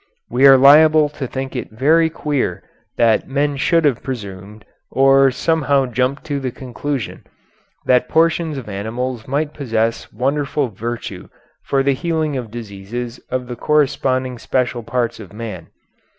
We are liable to think it very queer that men should have presumed, or somehow jumped to the conclusion, that portions of animals might possess wonderful virtue for the healing of diseases of the corresponding special parts of man.